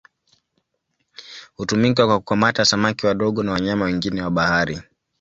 Hutumika kwa kukamata samaki wadogo na wanyama wengine wa bahari.